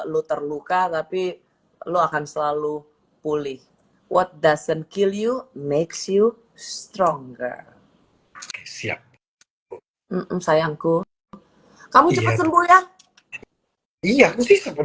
lu terluka tapi lo akan selalu pulih what doesn t kill you next you strong siap sayangku kamu cepet